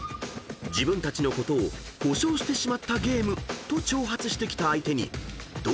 ［自分たちのことを故障してしまったゲームと挑発してきた相手にどういう言葉を返したか］